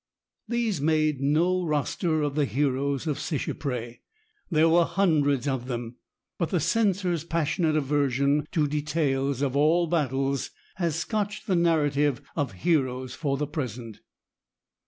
These make no roster of the heroes of Seicheprey. There were hundreds of them. But the censor's passionate aversion to details of all battles has scotched the narrative of heroes for the present.